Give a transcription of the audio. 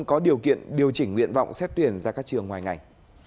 có điều kiện điều chỉnh nguyện vọng xét tuyển ra các trường ngoài ngành